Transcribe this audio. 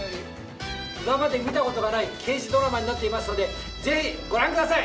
今まで見たことのない刑事ドラマになっていますのでぜひご覧ください！